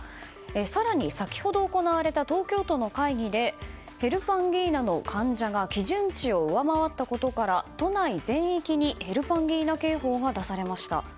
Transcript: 更に先ほど行われた東京都の会議でヘルパンギーナの患者が基準値を上回ったことから都内全域にヘルパンギーナ警報が出されました。